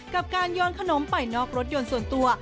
กับการโยนขนมไปนอกรถยนต์ส่วนตัว